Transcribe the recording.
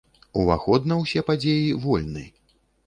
Уваход на ўсе падзеі вольны.